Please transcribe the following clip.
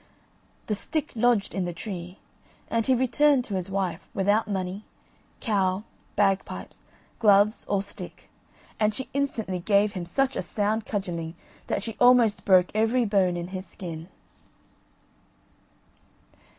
The stick lodged in the tree, and he returned to his wife without money, cow, bagpipes, gloves, or stick, and she instantly gave him such a sound cudgelling that she almost broke every bone in his skin.